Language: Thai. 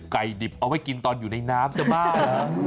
ไก่ดิบเอาไว้กินตอนอยู่ในน้ำเจ้าบ้านะ